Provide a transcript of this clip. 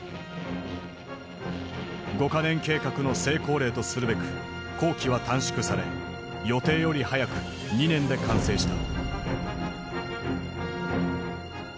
五か年計画の成功例とするべく工期は短縮され予定より早く２年で完成した。